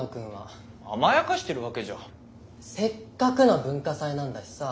せっかくの文化祭なんだしさ。